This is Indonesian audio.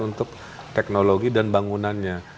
untuk teknologi dan bangunannya